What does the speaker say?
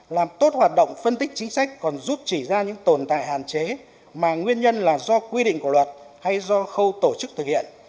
làm tốt hoạt động phân tích chính sách còn giúp chỉ ra những tồn tại hạn chế mà nguyên nhân là do quy định của luật hay do khâu tổ chức thực hiện